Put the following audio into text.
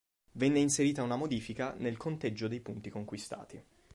Venne inserita una modifica nel conteggio dei punti conquistati.